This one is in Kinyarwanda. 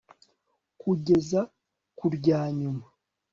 kugeza ku rya nyuma